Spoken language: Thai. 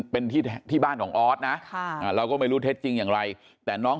เป็นที่ที่บ้านของออสนะเราก็ไม่รู้เท็จจริงอย่างไรแต่น้อง